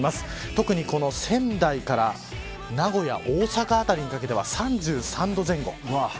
特に、この仙台から名古屋大阪辺りにかけては３３度前後。